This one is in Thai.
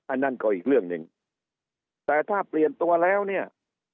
อันนั้นก็อีกเรื่องหนึ่งแต่ถ้าเปลี่ยนตัวแล้วเนี่ย